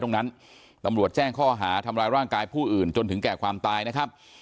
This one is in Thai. ตำรวจแจ้งข้อหาทำร้ายร่างกายผู้อื่นจนถึงแก่ความตายนะครับ